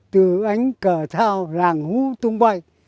từ ánh cờ sao làng hú tung bay